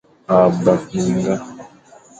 A bap minga.